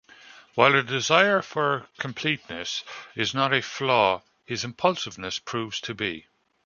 While a desire for completeness is not a flaw, his impulsiveness proves to be.